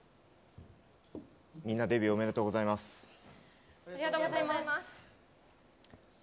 みんなデビュー、おめでとうありがとうございます。